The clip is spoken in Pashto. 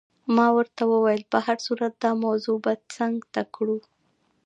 ما ورته وویل: په هر صورت دا موضوع به څنګ ته کړو.